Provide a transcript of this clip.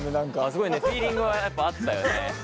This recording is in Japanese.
すごいねフィーリングはやっぱ合ったよね。